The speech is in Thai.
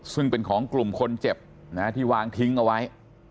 ซึ่งเป็นของกลุ่มคนเจ็บที่วางทิ้งเอาไว้